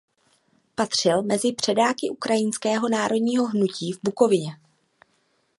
Patřil mezi předáky ukrajinského národního hnutí v Bukovině.